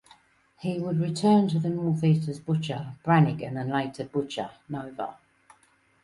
He would return to the Northeast as Butcher Brannigan and later Butcher Nova.